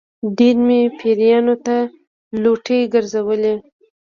ډېر مې پیرانو ته لوټې ګرځولې.